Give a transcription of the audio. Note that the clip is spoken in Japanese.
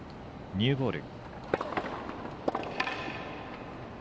ニューボール。